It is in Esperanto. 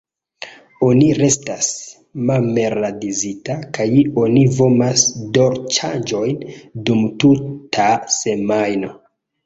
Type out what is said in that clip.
Oni restas marmeladizita kaj oni vomas dolĉaĵojn dum tuta semajno.